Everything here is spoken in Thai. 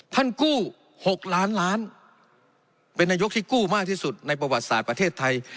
ท่านกู้๖ล้านล้านเป็นนายกที่กู้มากที่สุดในประวัติศาสตร์ประเทศไทย